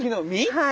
はい。